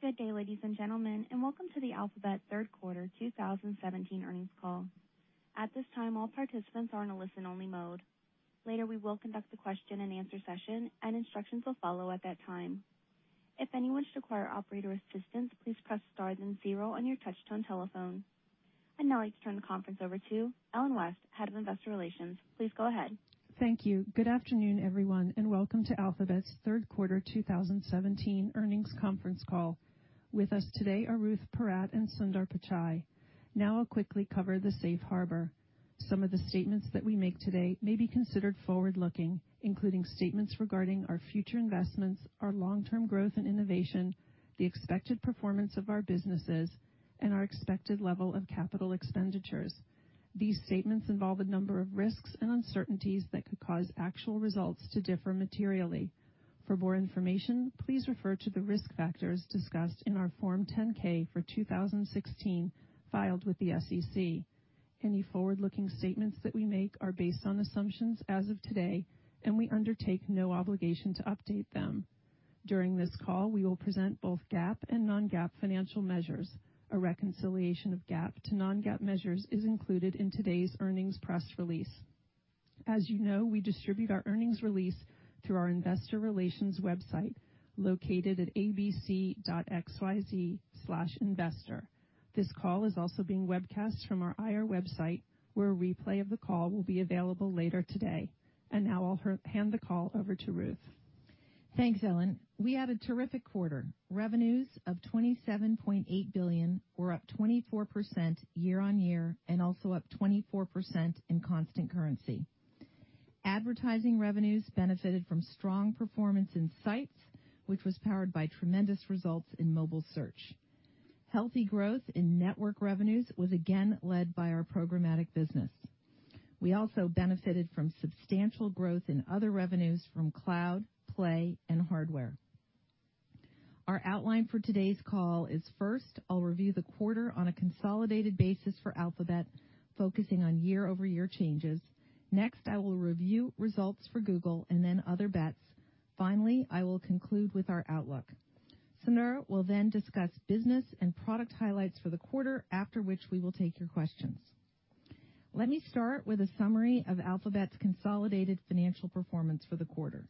Good day, ladies and gentlemen, and welcome to the Alphabet third quarter 2017 earnings call. At this time, all participants are in a listen-only mode. Later, we will conduct a question-and-answer session, and instructions will follow at that time. If anyone should require operator assistance, please press star then zero on your touch-tone telephone. I'd now like to turn the conference over to Ellen West, Head of Investor Relations. Please go ahead. Thank you. Good afternoon, everyone, and welcome to Alphabet's third quarter 2017 earnings conference call. With us today are Ruth Porat and Sundar Pichai. Now I'll quickly cover the safe harbor. Some of the statements that we make today may be considered forward-looking, including statements regarding our future investments, our long-term growth and innovation, the expected performance of our businesses, and our expected level of capital expenditures. These statements involve a number of risks and uncertainties that could cause actual results to differ materially. For more information, please refer to the risk factors discussed in our Form 10-K for 2016 filed with the SEC. Any forward-looking statements that we make are based on assumptions as of today, and we undertake no obligation to update them. During this call, we will present both GAAP and non-GAAP financial measures. A reconciliation of GAAP to non-GAAP measures is included in today's earnings press release. As you know, we distribute our earnings release through our Investor Relations website located at abc.xyz/investor. This call is also being webcast from our IR website, where a replay of the call will be available later today. And now I'll hand the call over to Ruth. Thanks, Ellen. We had a terrific quarter. Revenues of $27.8 billion were up 24% year-on-year and also up 24% in constant currency. Advertising revenues benefited from strong performance in Sites, which was powered by tremendous results in mobile Search. Healthy growth in Network revenues was again led by our programmatic business. We also benefited from substantial growth in other revenues from Cloud, Play, and Hardware. Our outline for today's call is, first, I'll review the quarter on a consolidated basis for Alphabet, focusing on year-over-year changes. Next, I will review results for Google and then Other Bets. Finally, I will conclude with our outlook. Sundar will then discuss business and product highlights for the quarter, after which we will take your questions. Let me start with a summary of Alphabet's consolidated financial performance for the quarter.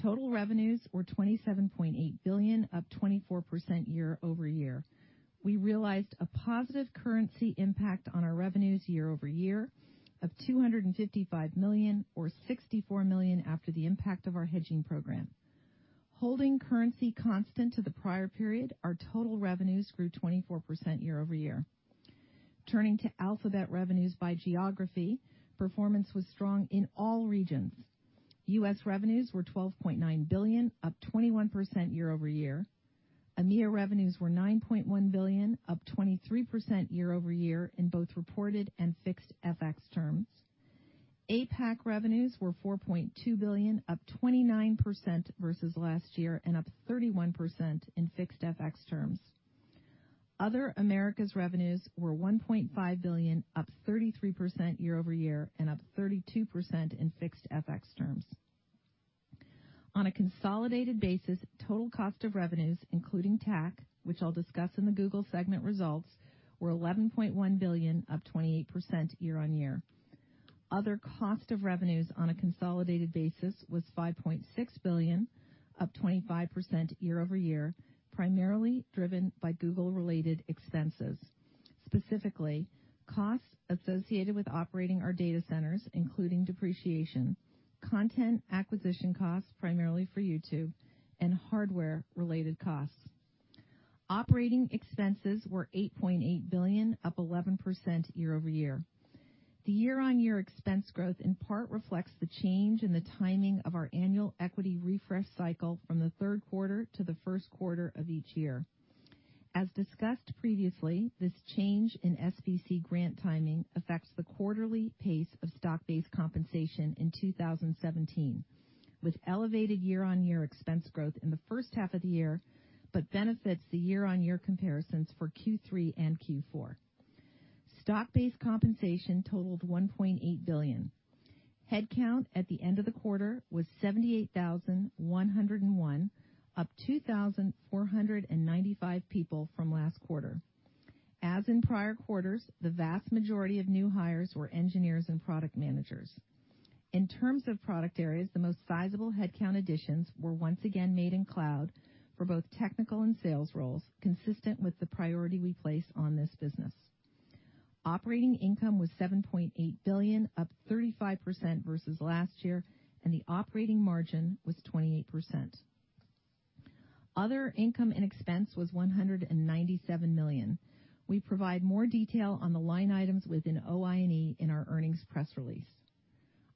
Total revenues were $27.8 billion, up 24% year-over-year. We realized a positive currency impact on our revenues year-over-year of $255 million, or $64 million after the impact of our hedging program. Holding currency constant to the prior period, our total revenues grew 24% year-over-year. Turning to Alphabet revenues by geography, performance was strong in all regions. U.S. revenues were $12.9 billion, up 21% year-over-year. EMEA revenues were $9.1 billion, up 23% year-over-year in both reported and fixed FX terms. APAC revenues were $4.2 billion, up 29% versus last year and up 31% in fixed FX terms. Other Americas revenues were $1.5 billion, up 33% year-over-year and up 32% in fixed FX terms. On a consolidated basis, total cost of revenues, including TAC, which I'll discuss in the Google segment results, were $11.1 billion, up 28% year-on-year. Other cost of revenues on a consolidated basis was $5.6 billion, up 25% year-over-year, primarily driven by Google-related expenses. Specifically, costs associated with operating our data centers, including depreciation, content acquisition costs primarily for YouTube, and hardware-related costs. Operating expenses were $8.8 billion, up 11% year-over-year. The year-on-year expense growth in part reflects the change in the timing of our annual equity refresh cycle from the third quarter to first quarter of each year. As discussed previously, this change in SBC grant timing affects the quarterly pace of stock-based compensation in 2017, with elevated year-on-year expense growth in the first half of the year but benefits the year-on-year comparisons for Q3 and Q4. Stock-based compensation totaled $1.8 billion. Headcount at the end of the quarter was 78,101, up 2,495 people from last quarter. As in prior quarters, the vast majority of new hires were engineers and product managers. In terms of product areas, the most sizable headcount additions were once again made in Cloud for both technical and sales roles, consistent with the priority we placed on this business. Operating income was $7.8 billion, up 35% versus last year, and the operating margin was 28%. Other income and expense was $197 million. We provide more detail on the line items within OI&E in our earnings press release.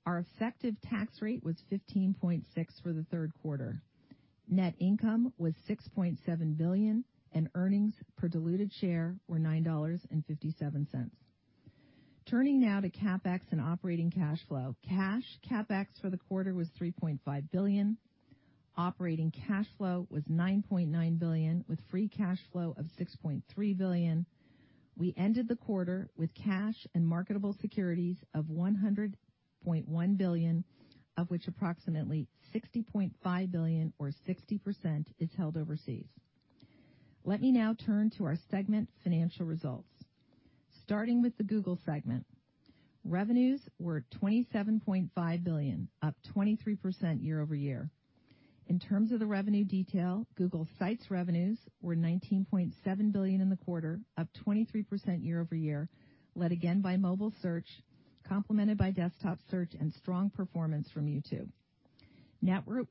Our effective tax rate was 15.6% for the third quarter. Net income was $6.7 billion, and earnings per diluted share were $9.57. Turning now to CapEx and operating cash flow. Cash CapEx for the quarter was $3.5 billion. Operating cash flow was $9.9 billion, with free cash flow of $6.3 billion. We ended the quarter with cash and marketable securities of $100.1 billion, of which approximately $60.5 billion, or 60%, is held overseas. Let me now turn to our segment financial results. Starting with the Google segment, revenues were $27.5 billion, up 23% year-over-year. In terms of the revenue detail, Google Sites revenues were $19.7 billion in the quarter, up 23% year-over-year, led again by mobile Search, complemented by desktop Search and strong performance from YouTube. Network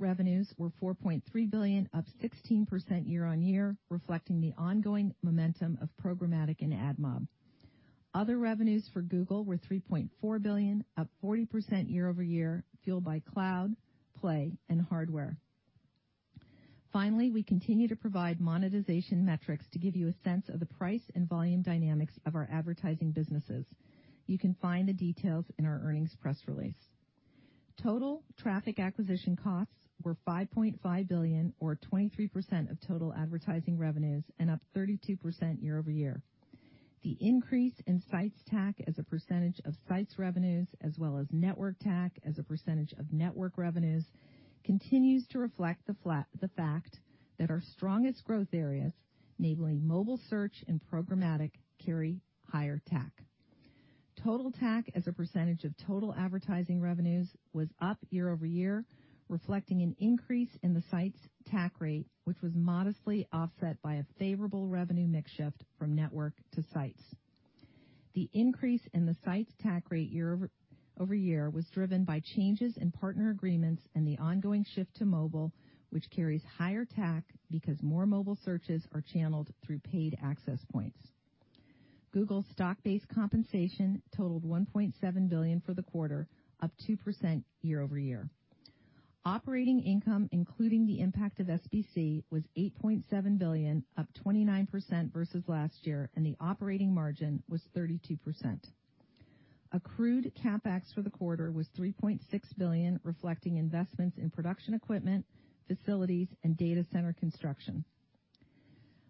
revenues were $4.3 billion, up 16% year-over-year, reflecting the ongoing momentum of programmatic and AdMob. Other revenues for Google were $3.4 billion, up 40% year-over-year, fueled by Cloud, Play, and Hardware. Finally, we continue to provide monetization metrics to give you a sense of the price and volume dynamics of our advertising businesses. You can find the details in our earnings press release. Total traffic acquisition costs were $5.5 billion, or 23% of total advertising revenues, and up 32% year-over-year. The increase in Sites TAC as a percentage of Sites revenues, as well as Network TAC as a percentage of Network revenues, continues to reflect the fact that our strongest growth areas, namely mobile Search and programmatic, carry higher TAC. Total TAC as a percentage of total advertising revenues was up year-over-year, reflecting an increase in the Sites TAC rate, which was modestly offset by a favorable revenue mix shift from Network to Sites. The increase in the Sites TAC rate year-over-year was driven by changes in partner agreements and the ongoing shift to mobile, which carries higher TAC because more mobile Searches are channeled through paid access points. Google stock-based compensation totaled $1.7 billion for the quarter, up 2% year-over-year. Operating income, including the impact of SBC, was $8.7 billion, up 29% versus last year, and the operating margin was 32%. Accrued CapEx for the quarter was $3.6 billion, reflecting investments in production equipment, facilities, and data center construction.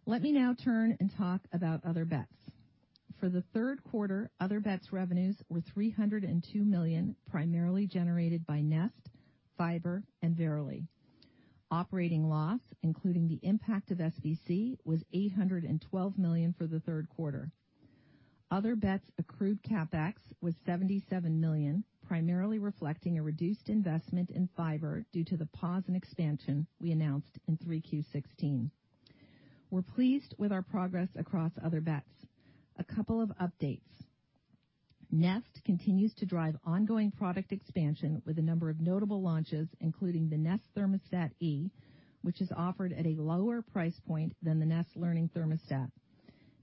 Let me now turn and talk about Other Bets. For the Q3, Other Bets revenues were $302 million, primarily generated by Nest, Fiber, and Verily. Operating loss, including the impact of SBC, was $812 million for the third quarter. Other Bets accrued CapEx was $77 million, primarily reflecting a reduced investment in Fiber due to the pause in expansion we announced in Q3 2016. We're pleased with our progress across Other Bets. A couple of updates. Nest continues to drive ongoing product expansion with a number of notable launches, including the Nest Thermostat E, which is offered at a lower price point than the Nest Learning Thermostat.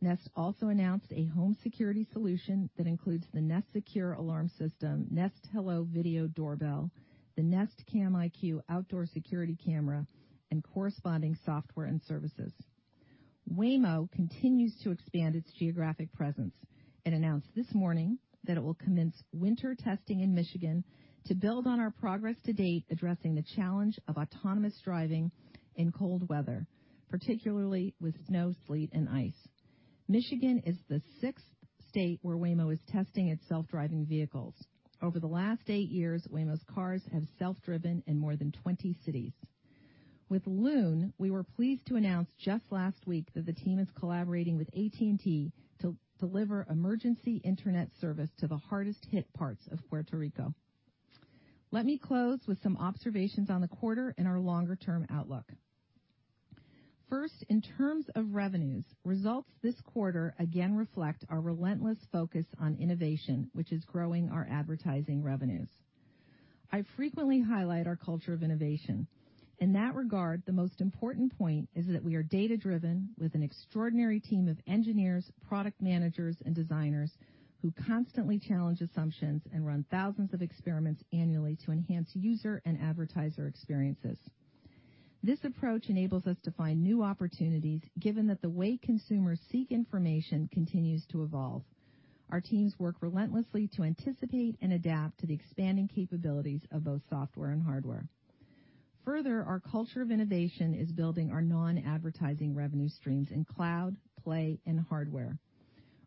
Nest also announced a home security solution that includes the Nest Secure alarm system, Nest Hello video doorbell, the Nest Cam IQ Outdoor security camera, and corresponding software and services. Waymo continues to expand its geographic presence. It announced this morning that it will commence winter testing in Michigan to build on our progress to date addressing the challenge of autonomous driving in cold weather, particularly with snow, sleet, and ice. Michigan is the sixth state where Waymo is testing its self-driving vehicles. Over the last eight years, Waymo's cars have self-driven in more than 20 cities. With Loon, we were pleased to announce just last week that the team is collaborating with AT&T to deliver emergency internet service to the hardest-hit parts of Puerto Rico. Let me close with some observations on the quarter and our longer-term outlook. First, in terms of revenues, results this quarter again reflect our relentless focus on innovation, which is growing our advertising revenues. I frequently highlight our culture of innovation. In that regard, the most important point is that we are data-driven with an extraordinary team of engineers, product managers, and designers who constantly challenge assumptions and run thousands of experiments annually to enhance user and advertiser experiences. This approach enables us to find new opportunities, given that the way consumers seek information continues to evolve. Our teams work relentlessly to anticipate and adapt to the expanding capabilities of both software and hardware. Further, our culture of innovation is building our non-advertising revenue streams in Cloud, Play, and Hardware.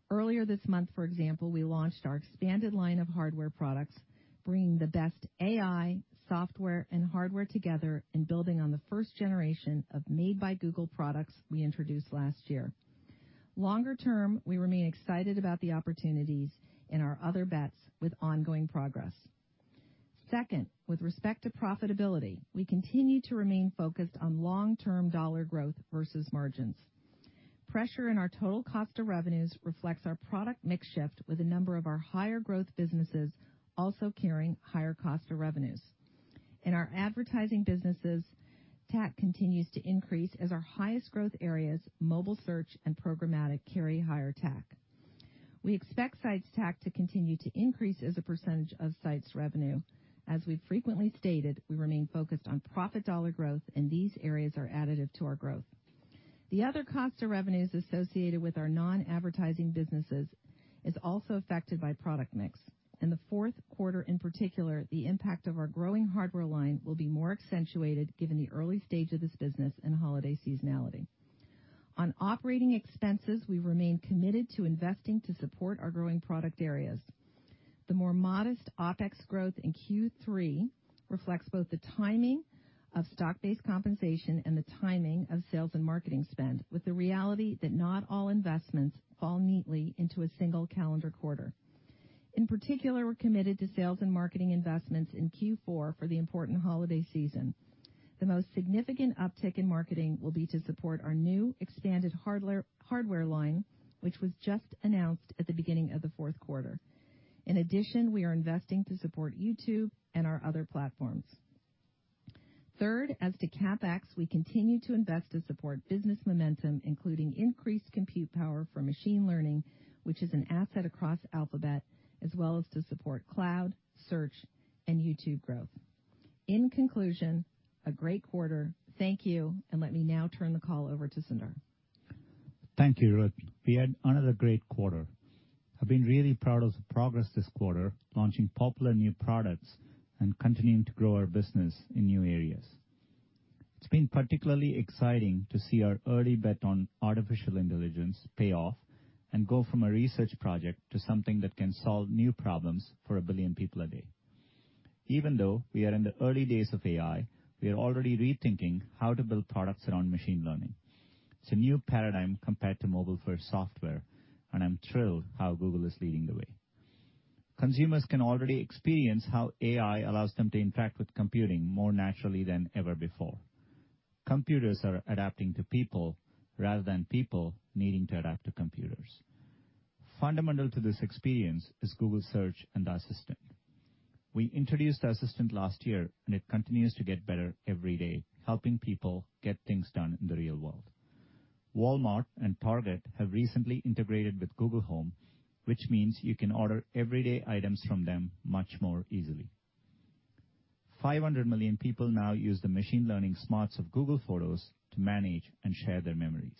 Earlier this month, for example, we launched our expanded line of hardware products, bringing the best AI, software, and hardware together and building on the first generation of Made by Google products we introduced last year. Longer term, we remain excited about the opportunities in our Other Bets with ongoing progress. Second, with respect to profitability, we continue to remain focused on long-term dollar growth versus margins. Pressure in our total cost of revenues reflects our product mix shift, with a number of our higher-growth businesses also carrying higher cost of revenues. In our advertising businesses, TAC continues to increase as our highest-growth areas, mobile Search and programmatic, carry higher TAC. We expect Search TAC to continue to increase as a percentage of Search revenue. As we've frequently stated, we remain focused on profit dollar growth, and these areas are additive to our growth. The other cost of revenues associated with our non-advertising businesses is also affected by product mix. In the fourth quarter, in particular, the impact of our growing hardware line will be more accentuated given the early stage of this business and holiday seasonality. On operating expenses, we remain committed to investing to support our growing product areas. The more modest OpEx growth in Q3 reflects both the timing of stock-based compensation and the timing of sales and marketing spend, with the reality that not all investments fall neatly into a single calendar quarter. In particular, we're committed to sales and marketing investments in Q4 for the important holiday season. The most significant uptick in marketing will be to support our new expanded hardware line, which was just announced at the beginning of the fourth quarter. In addition, we are investing to support YouTube and our other platforms. Third, as to CapEx, we continue to invest to support business momentum, including increased compute power for machine learning, which is an asset across Alphabet, as well as to support Cloud, Search, and YouTube growth. In conclusion, a great quarter. Thank you, and let me now turn the call over to Sundar. Thank you, Ruth. We had another great quarter. I've been really proud of the progress this quarter, launching popular new products and continuing to grow our business in new areas. It's been particularly exciting to see our early bet on artificial intelligence pay off and go from a research project to something that can solve new problems for a billion people a day. Even though we are in the early days of AI, we are already rethinking how to build products around machine learning. It's a new paradigm compared to mobile-first software, and I'm thrilled how Google is leading the way. Consumers can already experience how AI allows them to interact with computing more naturally than ever before. Computers are adapting to people rather than people needing to adapt to computers. Fundamental to this experience is Google Search and the Assistant. We introduced the Assistant last year, and it continues to get better every day, helping people get things done in the real world. Walmart and Target have recently integrated with Google Home, which means you can order everyday items from them much more easily. 500 million people now use the machine learning smarts of Google Photos to manage and share their memories.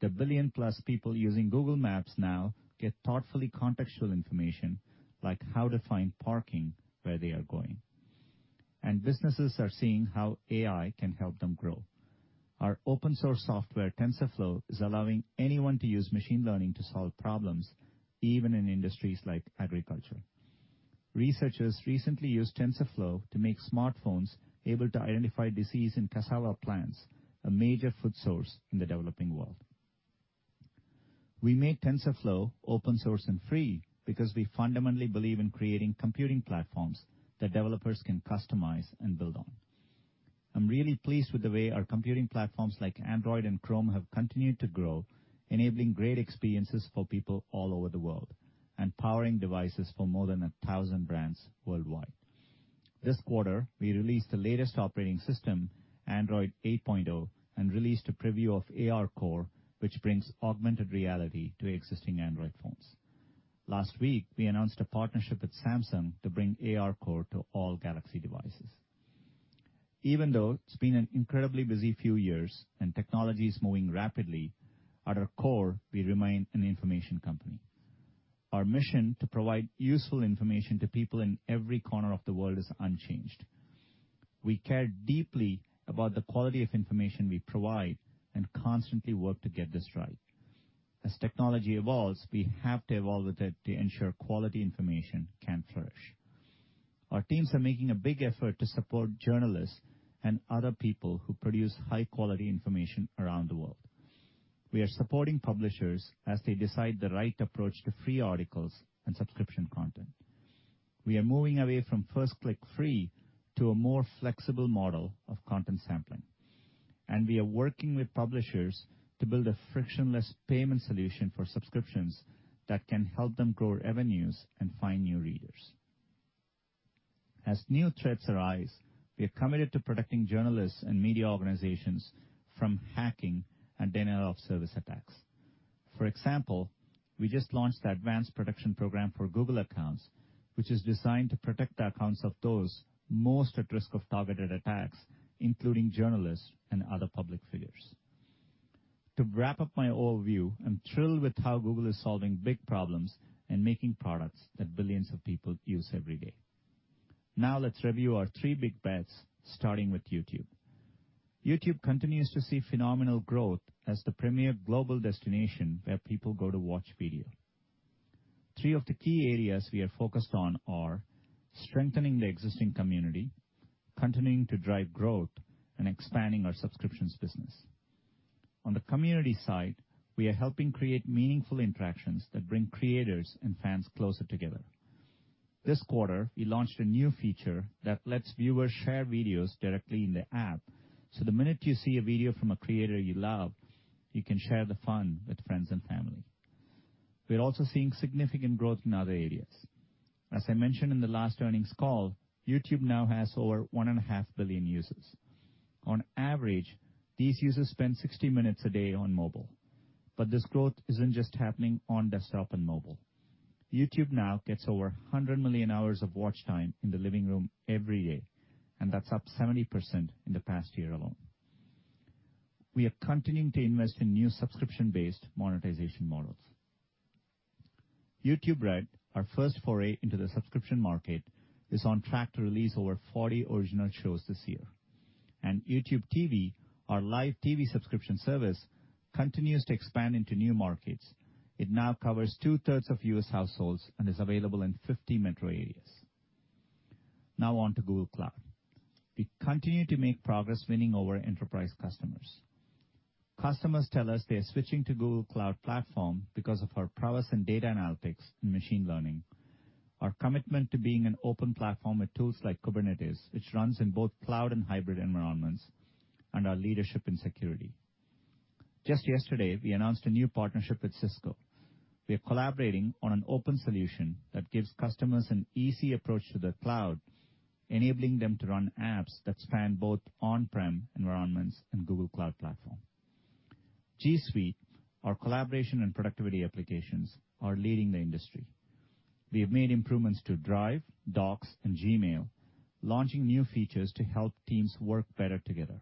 The billion-plus people using Google Maps now get thoughtfully contextual information, like how to find parking where they are going. And businesses are seeing how AI can help them grow. Our open-source software, TensorFlow, is allowing anyone to use machine learning to solve problems, even in industries like agriculture. Researchers recently used TensorFlow to make smartphones able to identify disease in cassava plants, a major food source in the developing world. We made TensorFlow open-source and free because we fundamentally believe in creating computing platforms that developers can customize and build on. I'm really pleased with the way our computing platforms like Android and Chrome have continued to grow, enabling great experiences for people all over the world and powering devices for more than 1,000 brands worldwide. This quarter, we released the latest operating system, Android 8.0, and released a preview of ARCore, which brings augmented reality to existing Android phones. Last week, we announced a partnership with Samsung to bring ARCore to all Galaxy devices. Even though it's been an incredibly busy few years and technology is moving rapidly, at our core, we remain an information company. Our mission to provide useful information to people in every corner of the world is unchanged. We care deeply about the quality of information we provide and constantly work to get this right. As technology evolves, we have to evolve with it to ensure quality information can flourish. Our teams are making a big effort to support journalists and other people who produce high-quality information around the world. We are supporting publishers as they decide the right approach to free articles and subscription content. We are moving away from First Click Free to a more flexible model of content sampling, and we are working with publishers to build a frictionless payment solution for subscriptions that can help them grow revenues and find new readers. As new threats arise, we are committed to protecting journalists and media organizations from hacking and denial-of-service attacks. For example, we just launched the Advanced Protection Program for Google accounts, which is designed to protect the accounts of those most at risk of targeted attacks, including journalists and other public figures. To wrap up my overview, I'm thrilled with how Google is solving big problems and making products that billions of people use every day. Now let's review our three big bets, starting with YouTube. YouTube continues to see phenomenal growth as the premier global destination where people go to watch video. Three of the key areas we are focused on are strengthening the existing community, continuing to drive growth, and expanding our subscriptions business. On the community side, we are helping create meaningful interactions that bring creators and fans closer together. This quarter, we launched a new feature that lets viewers share videos directly in the app, so the minute you see a video from a creator you love, you can share the fun with friends and family. We're also seeing significant growth in other areas. As I mentioned in the last earnings call, YouTube now has over 1.5 billion users. On average, these users spend 60 minutes a day on mobile, but this growth isn't just happening on desktop and mobile. YouTube now gets over 100 million hours of watch time in the living room every day, and that's up 70% in the past year alone. We are continuing to invest in new subscription-based monetization models. YouTube Red, our first foray into the subscription market, is on track to release over 40 original shows this year. YouTube TV, our live TV subscription service, continues to expand into new markets. It now covers2/3 of U.S. households and is available in 50 metro areas. Now on to Google Cloud. We continue to make progress, winning over enterprise customers. Customers tell us they are switching to Google Cloud Platform because of our prowess in data analytics and machine learning, our commitment to being an open platform with tools like Kubernetes, which runs in both Cloud and hybrid environments, and our leadership in security. Just yesterday, we announced a new partnership with Cisco. We are collaborating on an open solution that gives customers an easy approach to the Cloud, enabling them to run apps that span both on-prem environments and Google Cloud Platform. G Suite, our collaboration and productivity applications, are leading the industry. We have made improvements to Drive, Docs, and Gmail, launching new features to help teams work better together.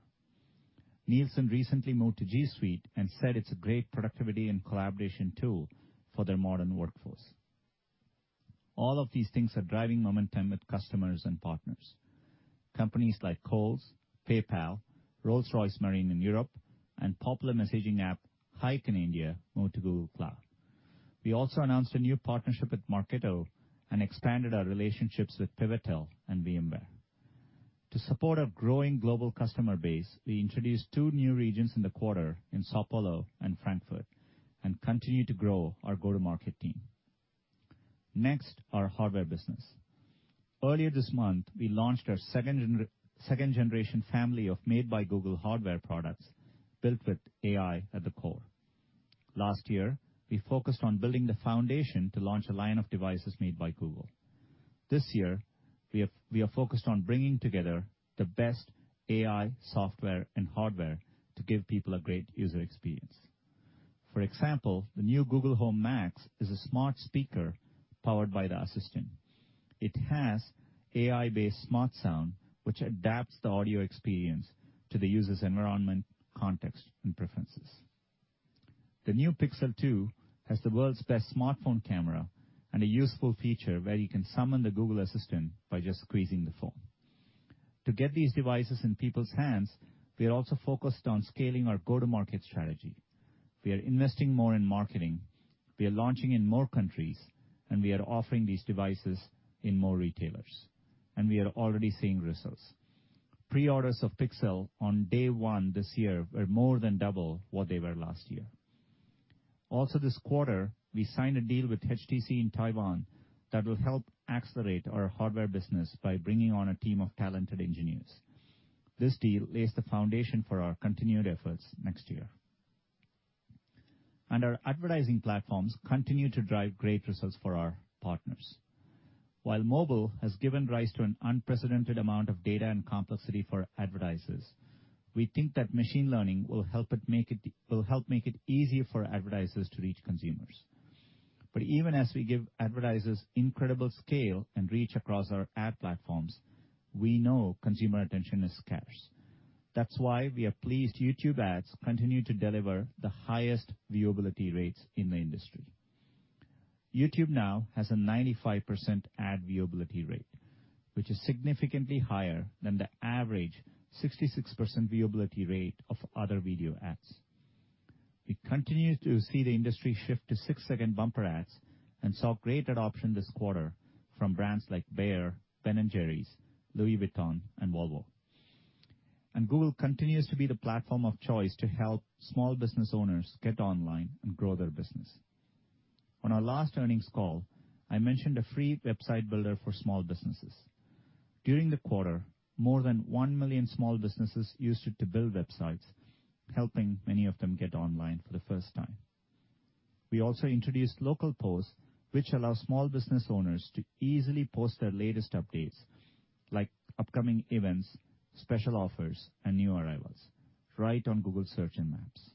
Nielsen recently moved to G Suite and said it's a great productivity and collaboration tool for their modern workforce. All of these things are driving momentum with customers and partners. Companies like Kohl's, PayPal, Rolls-Royce Marine in Europe, and popular messaging app Hike in India moved to Google Cloud. We also announced a new partnership with Marketo and expanded our relationships with Pivotal and VMware. To support our growing global customer base, we introduced two new regions in the quarter in São Paulo and Frankfurt and continue to grow our go-to-market team. Next, our hardware business. Earlier this month, we launched our second-generation family of Made by Google hardware products built with AI at the core. Last year, we focused on building the foundation to launch a line of devices made by Google. This year, we are focused on bringing together the best AI software and hardware to give people a great user experience. For example, the new Google Home Max is a smart speaker powered by the Assistant. It has AI-based Smart Sound, which adapts the audio experience to the user's environment, context, and preferences. The new Pixel 2 has the world's best smartphone camera and a useful feature where you can summon the Google Assistant by just squeezing the phone. To get these devices in people's hands, we are also focused on scaling our go-to-market strategy. We are investing more in marketing. We are launching in more countries, and we are offering these devices in more retailers. We are already seeing results. Pre-orders of Pixel on day one this year were more than double what they were last year. Also, this quarter, we signed a deal with HTC in Taiwan that will help accelerate our hardware business by bringing on a team of talented engineers. This deal lays the foundation for our continued efforts next year. And our advertising platforms continue to drive great results for our partners. While mobile has given rise to an unprecedented amount of data and complexity for advertisers, we think that machine learning will help make it easier for advertisers to reach consumers. But even as we give advertisers incredible scale and reach across our ad platforms, we know consumer attention is scarce. That's why we are pleased YouTube ads continue to deliver the highest viewability rates in the industry. YouTube now has a 95% ad viewability rate, which is significantly higher than the average 66% viewability rate of other video ads. We continue to see the industry shift to six-second bumper ads and saw great adoption this quarter from brands like Bayer, Ben & Jerry's, Louis Vuitton, and Volvo, and Google continues to be the platform of choice to help small business owners get online and grow their business. On our last earnings call, I mentioned a free website builder for small businesses. During the quarter, more than 1 million small businesses used it to build websites, helping many of them get online for the first time. We also introduced Local Posts, which allows small business owners to easily post their latest updates, like upcoming events, special offers, and new arrivals, right on Google Search and Maps.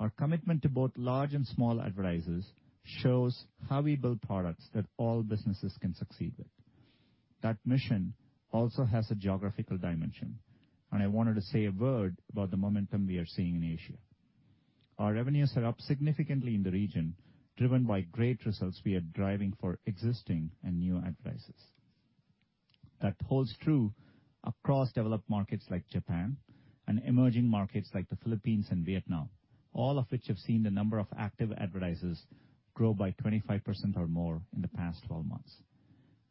Our commitment to both large and small advertisers shows how we build products that all businesses can succeed with. That mission also has a geographical dimension, and I wanted to say a word about the momentum we are seeing in Asia. Our revenues are up significantly in the region, driven by great results we are driving for existing and new advertisers. That holds true across developed markets like Japan and emerging markets like the Philippines and Vietnam, all of which have seen the number of active advertisers grow by 25% or more in the past 12 months.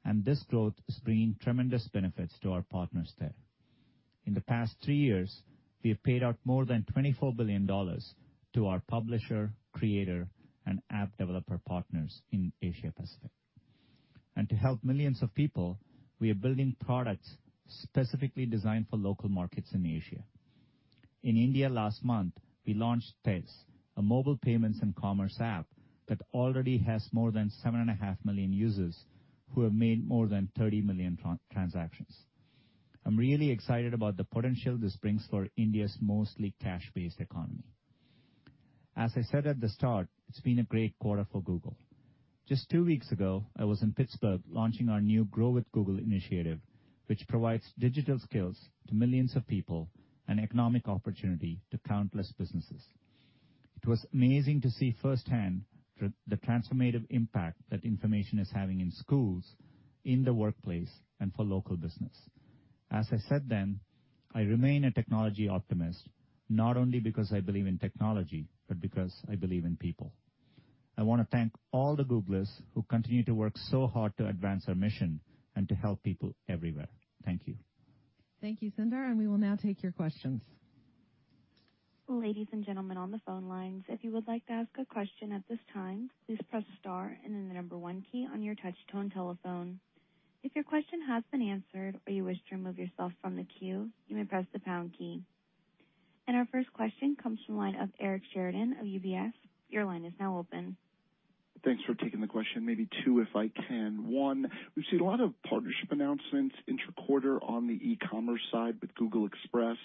And this growth is bringing tremendous benefits to our partners there. In the past three years, we have paid out more than $24 billion to our publisher, creator, and app developer partners in Asia-Pacific. And to help millions of people, we are building products specifically designed for local markets in Asia. In India last month, we launched Tez, a mobile payments and commerce app that already has more than 7.5 million users who have made more than 30 million transactions. I'm really excited about the potential this brings for India's mostly cash-based economy. As I said at the start, it's been a great quarter for Google. Just two weeks ago, I was in Pittsburgh launching our new Grow with Google initiative, which provides digital skills to millions of people and economic opportunity to countless businesses. It was amazing to see firsthand the transformative impact that information is having in schools, in the workplace, and for local business. As I said then, I remain a technology optimist not only because I believe in technology, but because I believe in people. I want to thank all the Googlers who continue to work so hard to advance our mission and to help people everywhere. Thank you. Thank you, Sundar, and we will now take your questions. Ladies and gentlemen on the phone lines, if you would like to ask a question at this time, please press star and then the number one key on your touch-tone telephone. If your question has been answered or you wish to remove yourself from the queue, you may press the pound key. And our first question comes from the line of Eric Sheridan of UBS. Your line is now open. Thanks for taking the question. Maybe two, if I can. One, we've seen a lot of partnership announcements interquarter on the e-commerce side with Google Express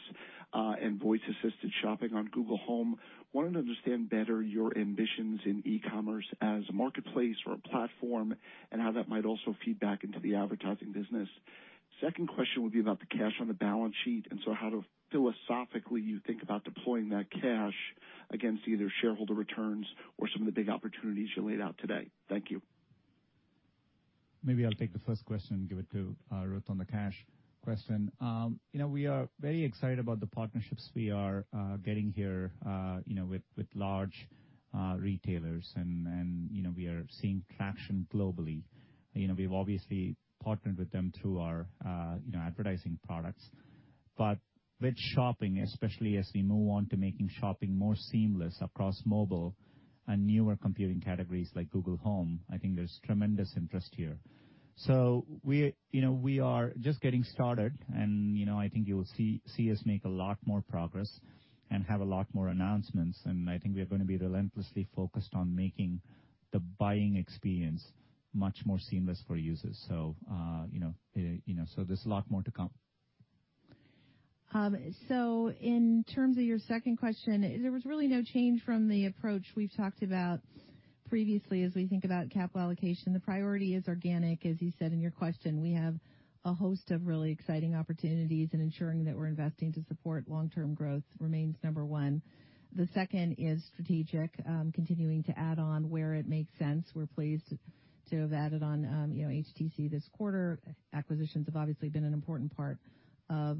and voice-assisted shopping on Google Home. I want to understand better your ambitions in e-commerce as a marketplace or a platform and how that might also feed back into the advertising business. Second question would be about the cash on the balance sheet, and so how philosophically you think about deploying that cash against either shareholder returns or some of the big opportunities you laid out today. Thank you. Maybe I'll take the first question and give it to Ruth on the cash question. We are very excited about the partnerships we are getting here with large retailers, and we are seeing traction globally. We've obviously partnered with them through our advertising products, but with shopping, especially as we move on to making shopping more seamless across mobile and newer computing categories like Google Home, I think there's tremendous interest here, so we are just getting started, and I think you will see us make a lot more progress and have a lot more announcements. And I think we are going to be relentlessly focused on making the buying experience much more seamless for users. So there's a lot more to come. So in terms of your second question, there was really no change from the approach we've talked about previously as we think about capital allocation. The priority is organic, as you said in your question. We have a host of really exciting opportunities, and ensuring that we're investing to support long-term growth remains number one. The second is strategic, continuing to add on where it makes sense. We're pleased to have added on HTC this quarter. Acquisitions have obviously been an important part of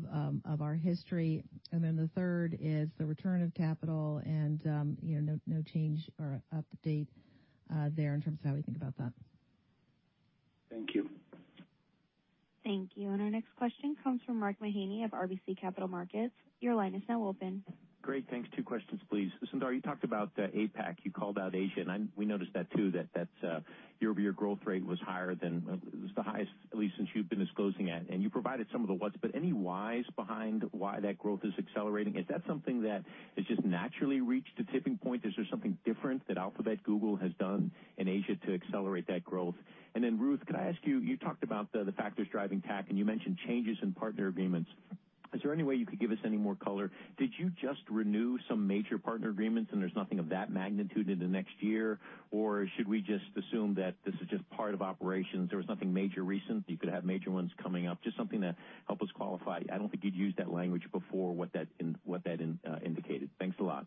our history. And then the third is the return of capital, and no change or update there in terms of how we think about that. Thank you. Thank you. And our next question comes from Mark Mahaney of RBC Capital Markets. Your line is now open. Great. Thanks. Two questions, please. Sundar, you talked about APAC. You called out Asia, and we noticed that too, that your growth rate was higher than it was, the highest, at least since you've been disclosing that. And you provided some of the what's, but any whys behind why that growth is accelerating? Is that something that has just naturally reached a tipping point? Is there something different that Alphabet Google has done in Asia to accelerate that growth? And then, Ruth, could I ask you, you talked about the factors driving TAC, and you mentioned changes in partner agreements. Is there any way you could give us any more color? Did you just renew some major partner agreements, and there's nothing of that magnitude in the next year, or should we just assume that this is just part of operations? There was nothing major recent. You could have major ones coming up. Just something to help us qualify. I don't think you'd used that language before. What that indicated. Thanks a lot.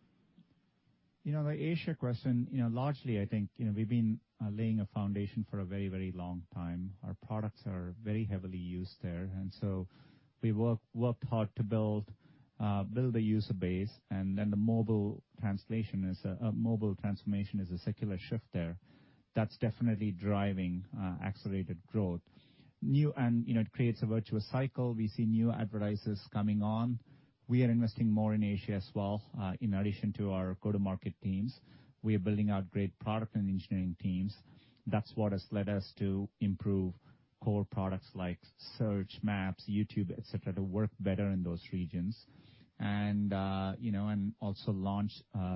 The Asia question, largely, I think we've been laying a foundation for a very, very long time. Our products are very heavily used there. And so we worked hard to build the user base. And then the mobile translation is a mobile transformation, a secular shift there. That's definitely driving accelerated growth. And it creates a virtuous cycle. We see new advertisers coming on. We are investing more in Asia as well in addition to our go-to-market teams. We are building out great product and engineering teams. That's what has led us to improve core products like Search, Maps, YouTube, etc., to work better in those regions and also launch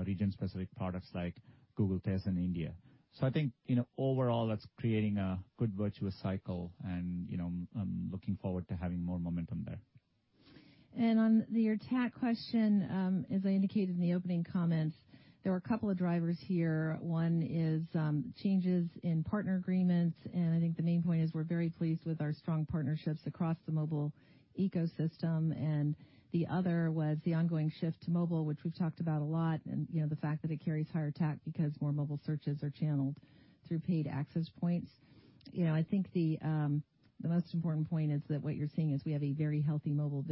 region-specific products like Google Tez in India. I think overall, that's creating a good virtuous cycle, and I'm looking forward to having more momentum there. On your TAC question, as I indicated in the opening comments, there were a couple of drivers here. One is changes in partner agreements. I think the main point is we're very pleased with our strong partnerships across the mobile ecosystem. The other was the ongoing shift to mobile, which we've talked about a lot, and the fact that it carries higher TAC because more mobile Searches are channeled through paid access points. I think the most important point is that what you're seeing is we have a very healthy mobile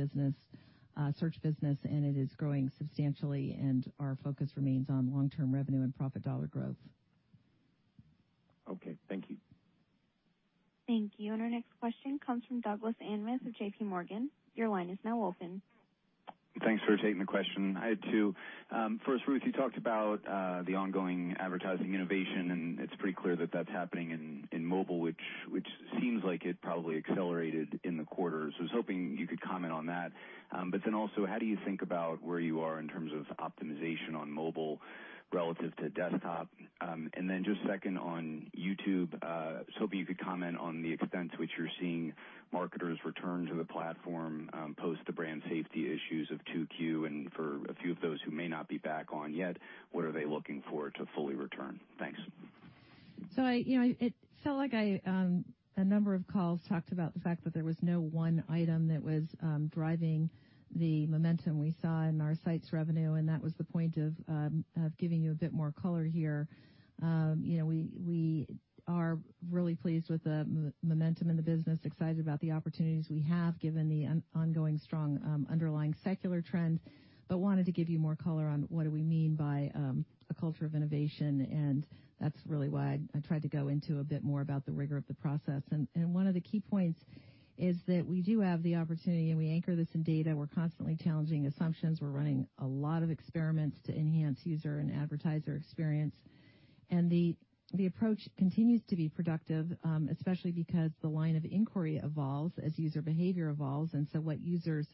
Search business, and it is growing substantially, and our focus remains on long-term revenue and profit dollar growth. Okay. Thank you. Thank you. And our next question comes from Douglas Anmuth of JPMorgan. Your line is now open. Thanks for taking the question. I had two. First, Ruth, you talked about the ongoing advertising innovation, and it's pretty clear that that's happening in mobile, which seems like it probably accelerated in the quarter. So I was hoping you could comment on that. But then also, how do you think about where you are in terms of optimization on mobile relative to desktop? And then, just second on YouTube, I was hoping you could comment on the extent to which you're seeing marketers return to the platform post the brand safety issues of 2Q. And for a few of those who may not be back on yet, what are they looking for to fully return? Thanks. So it felt like a number of calls talked about the fact that there was no one item that was driving the momentum we saw in our Sites revenue. And that was the point of giving you a bit more color here. We are really pleased with the momentum in the business, excited about the opportunities we have given the ongoing strong underlying secular trend, but wanted to give you more color on what do we mean by a culture of innovation. That's really why I tried to go into a bit more about the rigor of the process. One of the key points is that we do have the opportunity, and we anchor this in data. We're constantly challenging assumptions. We're running a lot of experiments to enhance user and advertiser experience. The approach continues to be productive, especially because the line of inquiry evolves as user behavior evolves. What users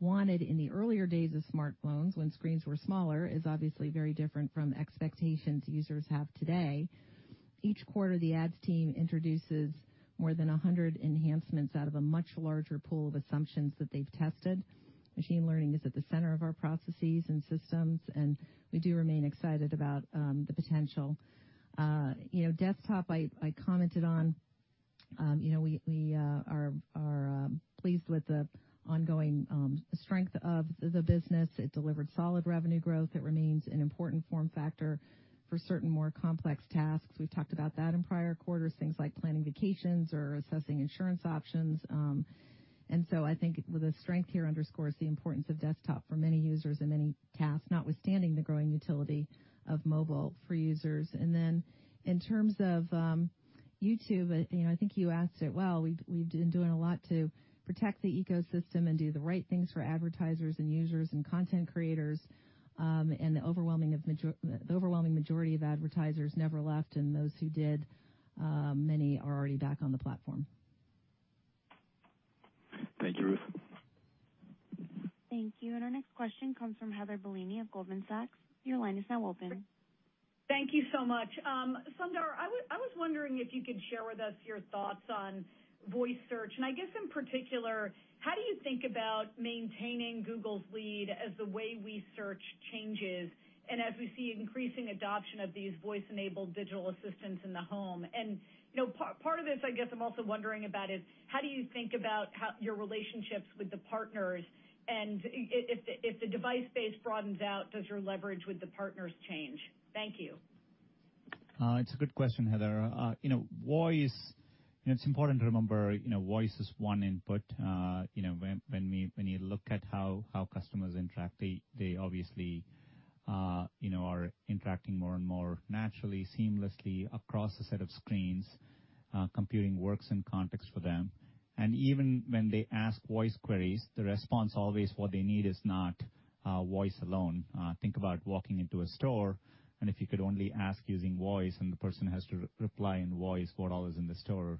wanted in the earlier days of smartphones when screens were smaller is obviously very different from expectations users have today. Each quarter, the ads team introduces more than 100 enhancements out of a much larger pool of assumptions that they've tested. Machine learning is at the center of our processes and systems, and we do remain excited about the potential. Desktop, I commented on. We are pleased with the ongoing strength of the business. It delivered solid revenue growth. It remains an important form factor for certain more complex tasks. We've talked about that in prior quarters, things like planning vacations or assessing insurance options. And so I think the strength here underscores the importance of desktop for many users and many tasks, notwithstanding the growing utility of mobile for users. And then in terms of YouTube, I think you asked it well. We've been doing a lot to protect the ecosystem and do the right things for advertisers and users and content creators. And the overwhelming majority of advertisers never left, and those who did, many are already back on the platform. Thank you, Ruth. Thank you. And our next question comes from Heather Bellini of Goldman Sachs. Your line is now open. Thank you so much. Sundar, I was wondering if you could share with us your thoughts on voice search. And I guess in particular, how do you think about maintaining Google's lead as the way we search changes and as we see increasing adoption of these voice-enabled digital assistants in the home? And part of this, I guess I'm also wondering about is how do you think about your relationships with the partners? And if the device base broadens out, does your leverage with the partners change? Thank you. It's a good question, Heather. It's important to remember voice is one input. When you look at how customers interact, they obviously are interacting more and more naturally, seamlessly across a set of screens. Computing works in context for them. And even when they ask voice queries, the response always what they need is not voice alone. Think about walking into a store, and if you could only ask using voice and the person has to reply in voice, what all is in the store,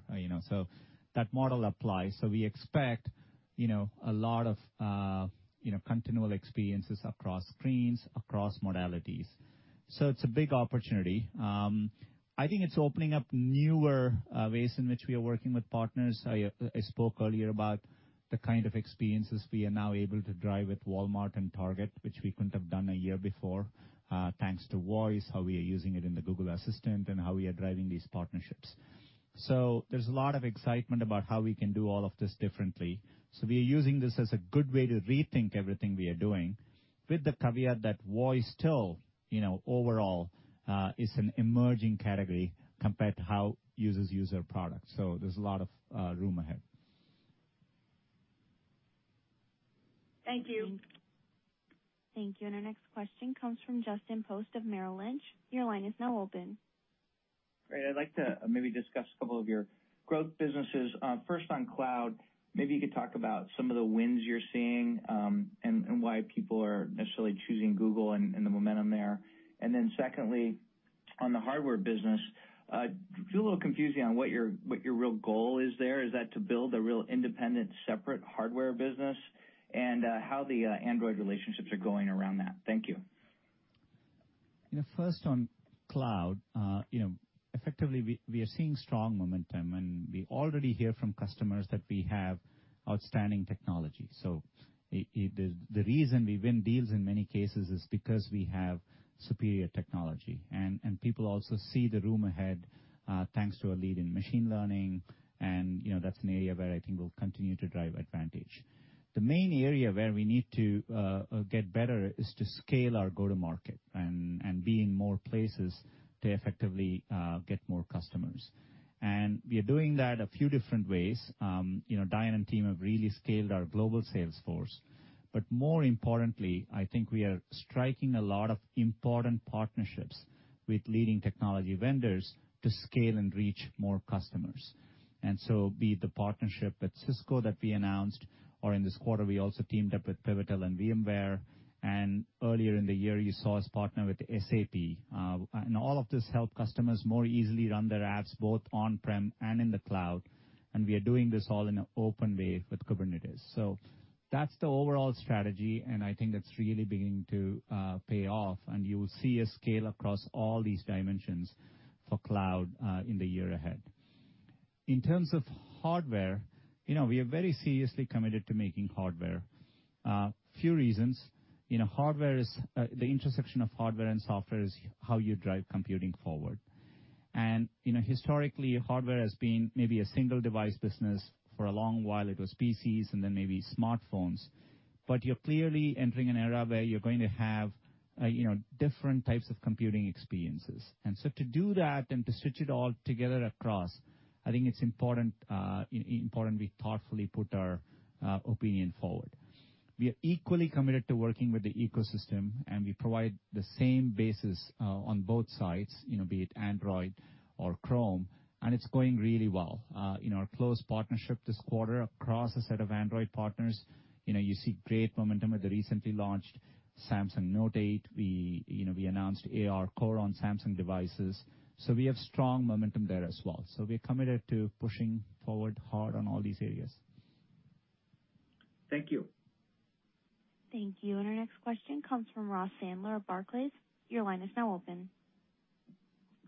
so that model applies, so we expect a lot of continual experiences across screens, across modalities, so it's a big opportunity. I think it's opening up newer ways in which we are working with partners. I spoke earlier about the kind of experiences we are now able to drive with Walmart and Target, which we couldn't have done a year before, thanks to voice, how we are using it in the Google Assistant, and how we are driving these partnerships, so there's a lot of excitement about how we can do all of this differently. So we are using this as a good way to rethink everything we are doing with the caveat that voice still overall is an emerging category compared to how users use our products. So there's a lot of room ahead. Thank you. Thank you. And our next question comes from Justin Post of Merrill Lynch. Your line is now open. Great. I'd like to maybe discuss a couple of your growth businesses. First, on Cloud, maybe you could talk about some of the wins you're seeing and why people are necessarily choosing Google and the momentum there. And then secondly, on the hardware business, I feel a little confusing on what your real goal is there. Is that to build a real independent, separate hardware business? And how the Android relationships are going around that? Thank you. First, on Cloud, effectively, we are seeing strong momentum, and we already hear from customers that we have outstanding technology, so the reason we win deals in many cases is because we have superior technology, and people also see the room ahead thanks to our lead in machine learning, and that's an area where I think we'll continue to drive advantage. The main area where we need to get better is to scale our go-to-market and be in more places to effectively get more customers, and we are doing that a few different ways. Diane and team have really scaled our global sales force, but more importantly, I think we are striking a lot of important partnerships with leading technology vendors to scale and reach more customers, and so be it the partnership with Cisco that we announced, or in this quarter, we also teamed up with Pivotal and VMware. Earlier in the year, you saw us partner with SAP. All of this helped customers more easily run their apps both on-prem and in the Cloud. We are doing this all in an open way with Kubernetes. That's the overall strategy, and I think it's really beginning to pay off, and you will see a scale across all these dimensions for Cloud in the year ahead. In terms of Hardware, we are very seriously committed to making Hardware. A few reasons. The intersection of hardware and software is how you drive computing forward. Historically, Hardware has been maybe a single-device business. For a long while, it was PCs and then maybe smartphones. You're clearly entering an era where you're going to have different types of computing experiences. And so to do that and to stitch it all together across, I think it's important we thoughtfully put our opinion forward. We are equally committed to working with the ecosystem, and we provide the same basis on both sides, be it Android or Chrome. And it's going really well. In our close partnership this quarter across a set of Android partners, you see great momentum with the recently launched Samsung Galaxy Note 8. We announced ARCore on Samsung devices. So we have strong momentum there as well. So we are committed to pushing forward hard on all these areas. Thank you. Thank you. And our next question comes from Ross Sandler of Barclays. Your line is now open.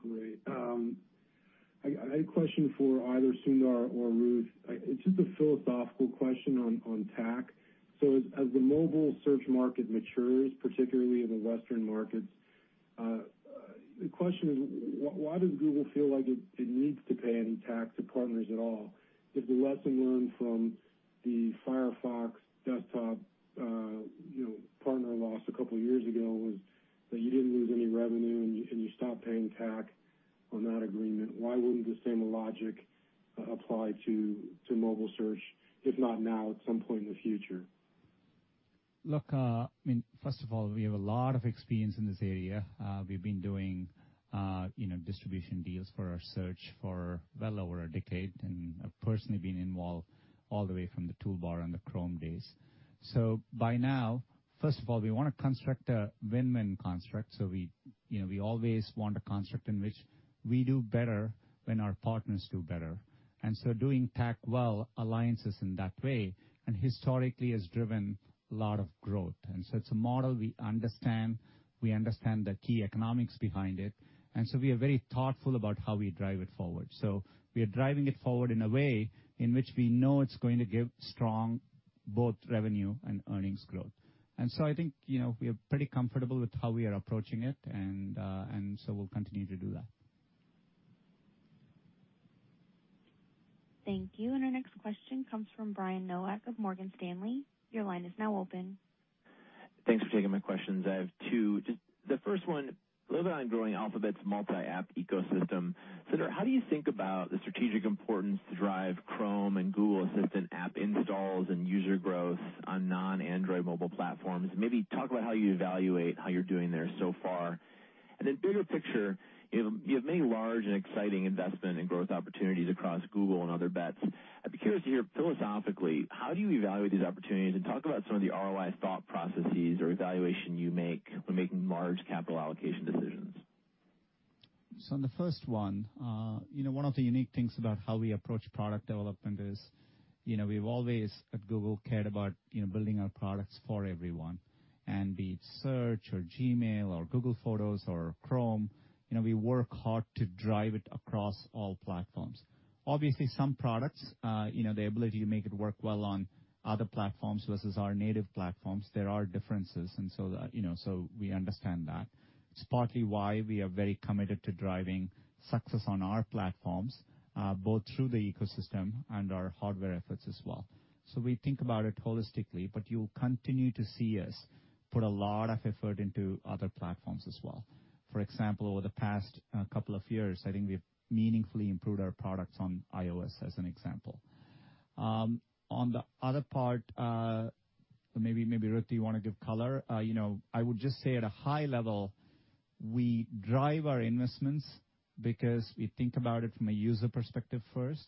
Great. I had a question for either Sundar or Ruth. It's just a philosophical question on TAC. As the mobile Search market matures, particularly in the Western markets, the question is, why does Google feel like it needs to pay any TAC to partners at all? If the lesson learned from the Firefox desktop partner loss a couple of years ago was that you didn't lose any revenue and you stopped paying TAC on that agreement, why wouldn't the same logic apply to mobile Search, if not now, at some point in the future? Look, I mean, first of all, we have a lot of experience in this area. We've been doing distribution deals for our search for well over a decade, and I've personally been involved all the way from the toolbar on the Chrome days. So by now, first of all, we want to construct a win-win construct. So we always want a construct in which we do better when our partners do better. And so doing TAC well aligns us in that way and historically has driven a lot of growth. And so it's a model we understand. We understand the key economics behind it. And so we are very thoughtful about how we drive it forward. So we are driving it forward in a way in which we know it's going to give strong both revenue and earnings growth. And so I think we are pretty comfortable with how we are approaching it, and so we'll continue to do that. Thank you. And our next question comes from Brian Nowak of Morgan Stanley. Your line is now open. Thanks for taking my questions. I have two. The first one, a little bit on growing Alphabet's multi-app ecosystem. Sundar, how do you think about the strategic importance to drive Chrome and Google Assistant app installs and user growth on non-Android mobile platforms? Maybe talk about how you evaluate how you're doing there so far, and then bigger picture, you have many large and exciting investment and growth opportunities across Google and Other Bets. I'd be curious to hear philosophically, how do you evaluate these opportunities and talk about some of the ROI thought processes or evaluation you make when making large capital allocation decisions? So on the first one, one of the unique things about how we approach product development is we've always at Google cared about building our products for everyone. And be it Search or Gmail or Google Photos or Chrome, we work hard to drive it across all platforms. Obviously, some products, the ability to make it work well on other platforms versus our native platforms, there are differences, and so we understand that. It's partly why we are very committed to driving success on our platforms both through the ecosystem and our hardware efforts as well. So we think about it holistically, but you'll continue to see us put a lot of effort into other platforms as well. For example, over the past couple of years, I think we've meaningfully improved our products on iOS as an example. On the other part, maybe Ruth, do you want to give color?I would just say at a high level, we drive our investments because we think about it from a user perspective first.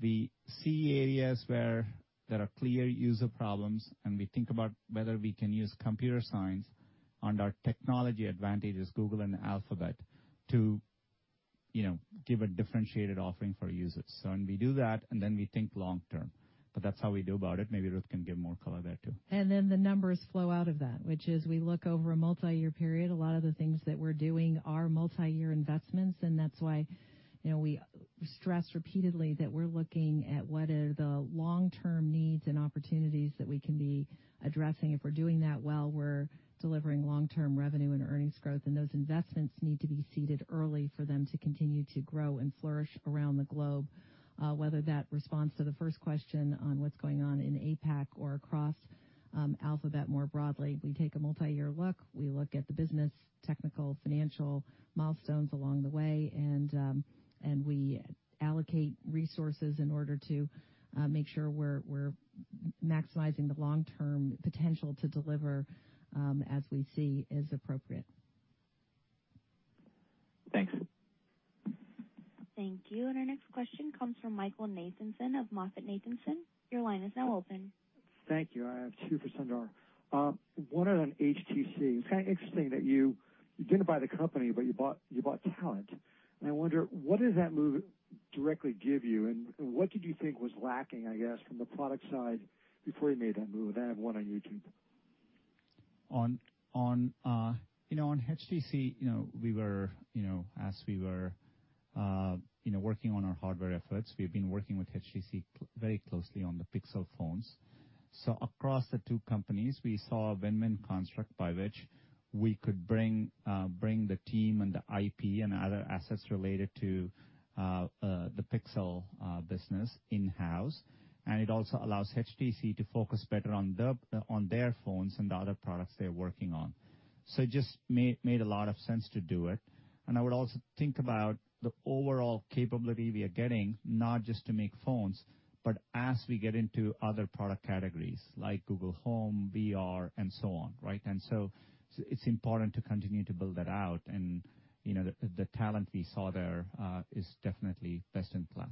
We see areas where there are clear user problems, and we think about whether we can use computer science and our technology advantages, Google and Alphabet, to give a differentiated offering for users. So when we do that, and then we think long-term, but that's how we go about it. Maybe Ruth can give more color there too. And then the numbers flow out of that, which is we look over a multi-year period. A lot of the things that we're doing are multi-year investments, and that's why we stress repeatedly that we're looking at what are the long-term needs and opportunities that we can be addressing. If we're doing that well, we're delivering long-term revenue and earnings growth, and those investments need to be seeded early for them to continue to grow and flourish around the globe. Whether that responds to the first question on what's going on in APAC or across Alphabet more broadly, we take a multi-year look. We look at the business, technical, financial milestones along the way, and we allocate resources in order to make sure we're maximizing the long-term potential to deliver as we see is appropriate. Thanks. Thank you. Our next question comes from Michael Nathanson of MoffettNathanson. Your line is now open. Thank you. I have two for Sundar. One is on HTC. It's kind of interesting that you didn't buy the company, but you bought talent. And I wonder, what does that move directly give you? And what did you think was lacking, I guess, from the product side before you made that move? I have one on YouTube. On HTC, as we were working on our hardware efforts, we have been working with HTC very closely on the Pixel phones. So across the two companies, we saw a win-win construct by which we could bring the team and the IP and other assets related to the Pixel business in-house. And it also allows HTC to focus better on their phones and the other products they're working on. So it just made a lot of sense to do it. And I would also think about the overall capability we are getting, not just to make phones, but as we get into other product categories like Google Home, VR, and so on, right? And so it's important to continue to build that out. And the talent we saw there is definitely best in class.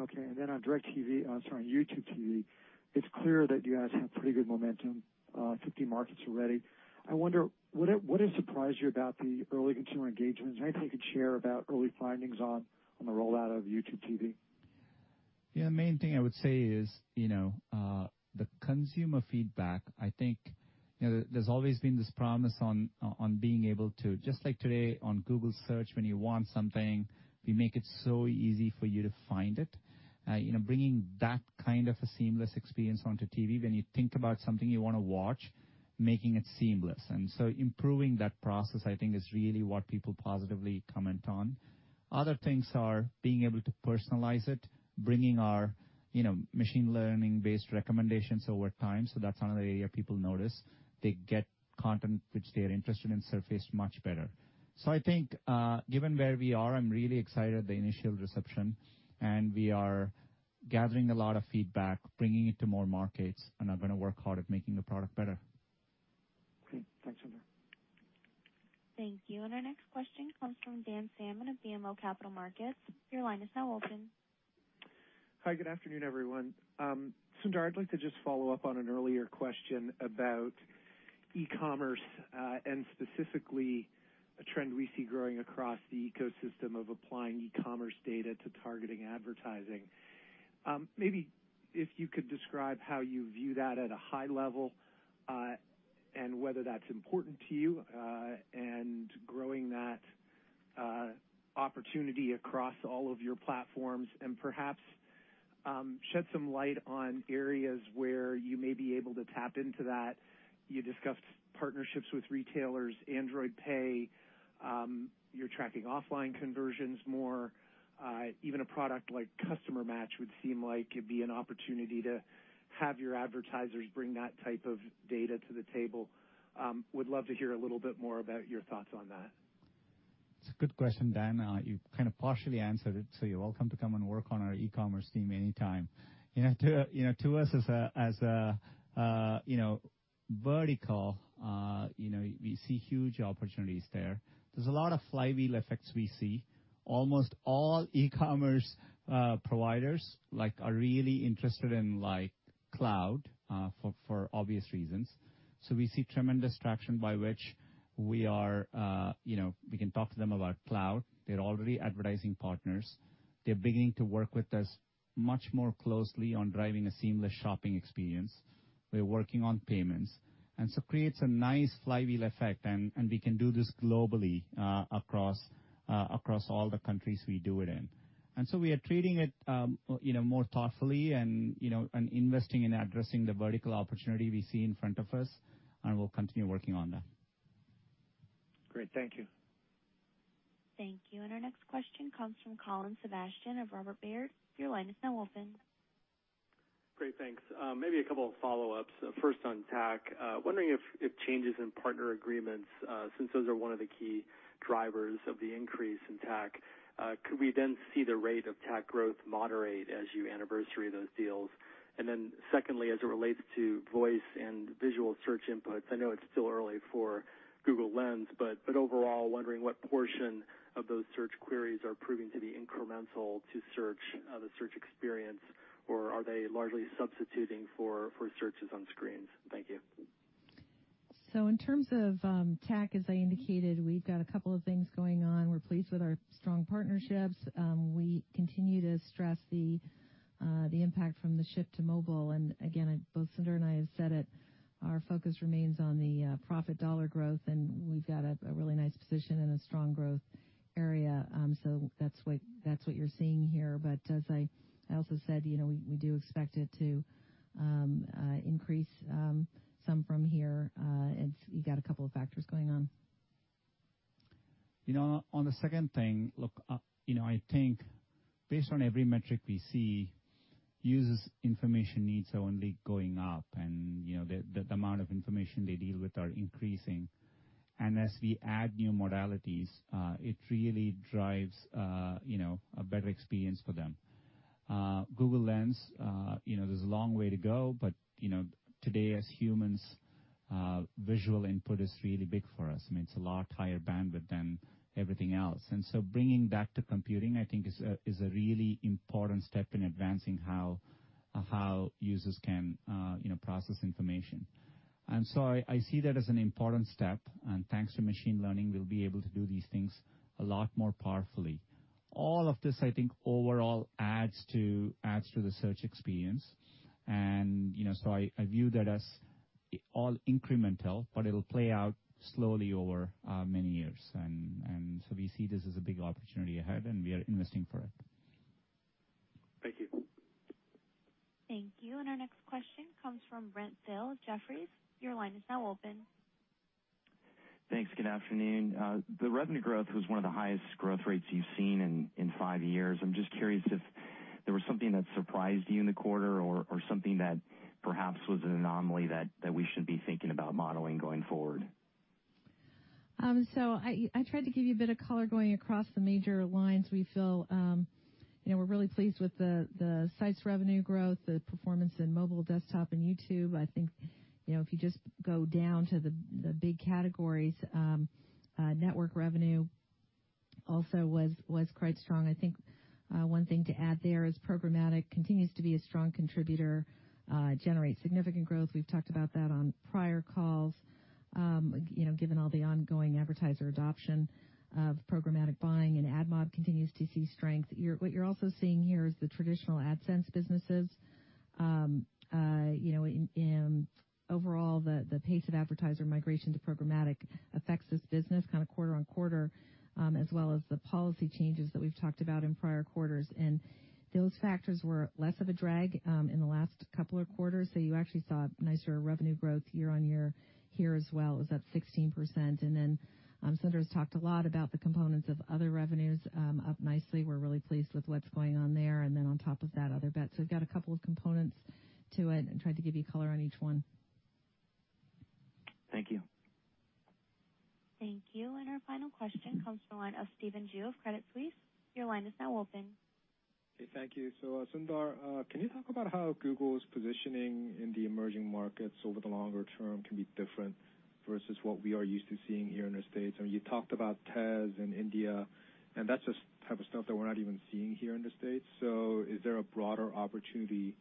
Okay. And then on DirecTV, sorry, on YouTube TV, it's clear that you guys have pretty good momentum, 50 markets already. I wonder, what has surprised you about the early consumer engagements? Anything you could share about early findings on the rollout of YouTube TV? Yeah. The main thing I would say is the consumer feedback. I think there's always been this promise on being able to, just like today on Google Search, when you want something, we make it so easy for you to find it. Bringing that kind of a seamless experience onto TV, when you think about something you want to watch, making it seamless, and so improving that process, I think, is really what people positively comment on. Other things are being able to personalize it, bringing our machine learning-based recommendations over time, so that's another area people notice. They get content which they are interested in surfaced much better, so I think, given where we are, I'm really excited at the initial reception, and we are gathering a lot of feedback, bringing it to more markets, and are going to work hard at making the product better. Great. Thanks, Sundar. Thank you. Our next question comes from Dan Salmon of BMO Capital Markets. Your line is now open. Hi. Good afternoon, everyone. Sundar, I'd like to just follow up on an earlier question about e-commerce and specifically a trend we see growing across the ecosystem of applying e-commerce data to targeting advertising. Maybe if you could describe how you view that at a high level and whether that's important to you and growing that opportunity across all of your platforms and perhaps shed some light on areas where you may be able to tap into that. You discussed partnerships with retailers, Android Pay. You're tracking offline conversions more. Even a product like Customer Match would seem like it'd be an opportunity to have your advertisers bring that type of data to the table. Would love to hear a little bit more about your thoughts on that. It's a good question, Dan. You kind of partially answered it, so you're welcome to come and work on our e-commerce team anytime. To us as a vertical, we see huge opportunities there. There's a lot of flywheel effects we see. Almost all e-commerce providers are really interested in Cloud for obvious reasons. So we see tremendous traction by which we can talk to them about Cloud. They're already advertising partners. They're beginning to work with us much more closely on driving a seamless shopping experience. We're working on payments. And so it creates a nice flywheel effect, and we can do this globally across all the countries we do it in. And so we are treating it more thoughtfully and investing in addressing the vertical opportunity we see in front of us, and we'll continue working on that. Great. Thank you. Thank you. And our next question comes from Colin Sebastian of Robert Baird. Your line is now open. Great. Thanks. Maybe a couple of follow-ups. First on tech, wondering if changes in partner agreements, since those are one of the key drivers of the increase in TAC, could we then see the rate of TAC growth moderate as you anniversary those deals? And then secondly, as it relates to voice and visual search inputs, I know it's still early for Google Lens, but overall, wondering what portion of those search queries are proving to be incremental to the search experience, or are they largely substituting for searches on screens? Thank you. So in terms of tech, as I indicated, we've got a couple of things going on. We're pleased with our strong partnerships. We continue to stress the impact from the shift to mobile. And again, both Sundar and I have said it, our focus remains on the profit dollar growth, and we've got a really nice position in a strong growth area. So that's what you're seeing here. But as I also said, we do expect it to increase some from here. You've got a couple of factors going on. On the second thing, look, I think based on every metric we see, users' information needs are only going up, and the amount of information they deal with are increasing. And as we add new modalities, it really drives a better experience for them. Google Lens, there's a long way to go, but today, as humans, visual input is really big for us. I mean, it's a lot higher bandwidth than everything else. And so bringing that to computing, I think, is a really important step in advancing how users can process information. And so I see that as an important step. And thanks to machine learning, we'll be able to do these things a lot more powerfully. All of this, I think, overall adds to the search experience. And so I view that as all incremental, but it'll play out slowly over many years. And so we see this as a big opportunity ahead, and we are investing for it. Thank you. Thank you. And our next question comes from Brent Thill of Jefferies. Your line is now open. Thanks. Good afternoon. The revenue growth was one of the highest growth rates you've seen in five years. I'm just curious if there was something that surprised you in the quarter or something that perhaps was an anomaly that we should be thinking about modeling going forward. So I tried to give you a bit of color going across the major lines. We feel we're really pleased with the Sites' revenue growth, the performance in mobile, desktop, and YouTube. I think if you just go down to the big categories, Network revenue also was quite strong. I think one thing to add there is programmatic continues to be a strong contributor, generates significant growth. We've talked about that on prior calls. Given all the ongoing advertiser adoption of programmatic buying, and AdMob continues to see strength. What you're also seeing here is the traditional AdSense businesses. Overall, the pace of advertiser migration to programmatic affects this business kind of quarter on quarter, as well as the policy changes that we've talked about in prior quarters, and those factors were less of a drag in the last couple of quarters, so you actually saw nicer revenue growth year on year here as well. It was up 16%. And then Sundar has talked a lot about the components of other revenues up nicely. We're really pleased with what's going on there. And then on top of that, Other Bets. So we've got a couple of components to it and tried to give you color on each one. Thank you. Thank you. And our final question comes from Stephen Ju of Credit Suisse. Your line is now open. Hey, thank you. So Sundar, can you talk about how Google's positioning in the emerging markets over the longer term can be different versus what we are used to seeing here in the States? And you talked about Tez in India, and that's the type of stuff that we're not even seeing here in the States. So is there a broader opportunity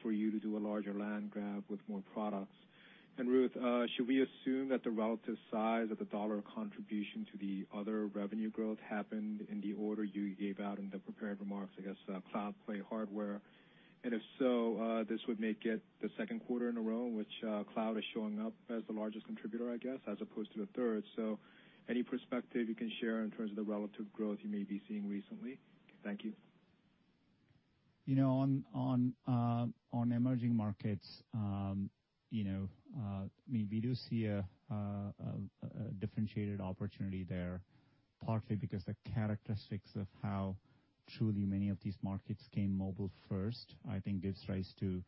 for you to do a larger land grab with more products? And Ruth, should we assume that the relative size of the dollar contribution to the other revenue growth happened in the order you gave out in the prepared remarks, I guess, Cloud, Play, Hardware? And if so, this would make it the second quarter in a row in which Cloud is showing up as the largest contributor, I guess, as opposed to the third. So any perspective you can share in terms of the relative growth you may be seeing recently? Thank you. On emerging markets, I mean, we do see a differentiated opportunity there, partly because the characteristics of how truly many of these markets came mobile first, I think, gives rise to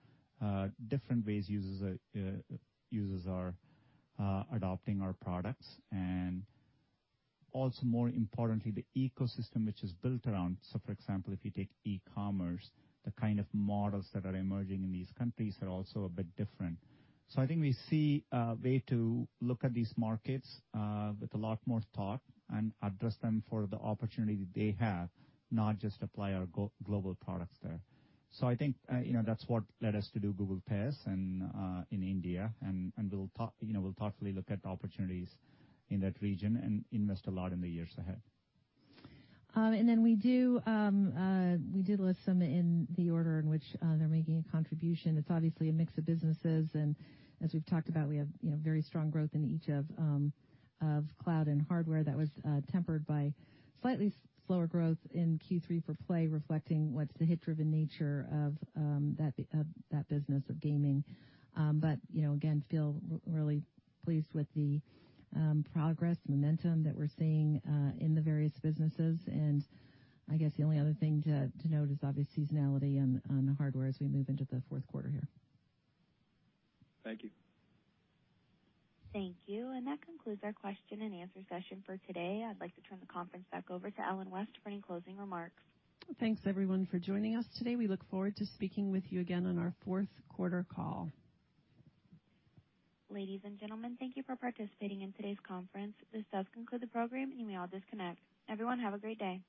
different ways users are adopting our products. And also, more importantly, the ecosystem which is built around. So for example, if you take e-commerce, the kind of models that are emerging in these countries are also a bit different. So I think we see a way to look at these markets with a lot more thought and address them for the opportunity they have, not just apply our global products there. So I think that's what led us to do Google Tez in India. And we'll thoughtfully look at opportunities in that region and invest a lot in the years ahead. And then we do list some in the order in which they're making a contribution. It's obviously a mix of businesses. And as we've talked about, we have very strong growth in each of Cloud and hardware. That was tempered by slightly slower growth in Q3 for Play, reflecting what's the hit-driven nature of that business of gaming. But again, I feel really pleased with the progress and momentum that we're seeing in the various businesses. And I guess the only other thing to note is obvious seasonality on the hardware as we move into the fourth quarter here. Thank you. Thank you. And that concludes our question and answer session for today. I'd like to turn the conference back over to Ellen West for any closing remarks. Thanks, everyone, for joining us today. We look forward to speaking with you again on our fourth quarter call. Ladies and gentlemen, thank you for participating in today's conference. This does conclude the program, and you may now disconnect. Everyone, have a great day.